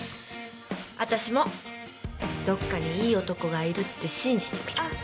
私もどっかにいい男がいるって信じてみる。